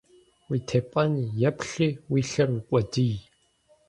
Уи тепӀэн йэплъи, уи лъэр укъуэдий.